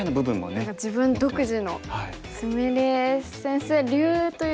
自分独自の菫先生流というか。